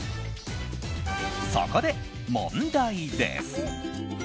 そこで問題です。